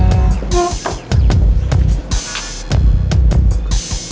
saya gak takut sama muslihat